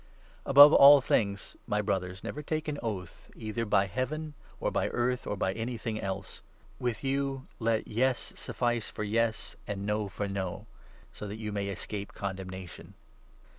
Above all things, my Brothers, never take an 12 oath, either by heaven, or by earth, or by any thing else. With you let ' Yes ' suffice for yes, and ' No ' for no, so that you may escape condemnation.